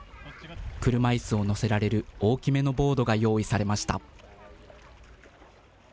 車いすを乗せられる大きめのボードが用意されました。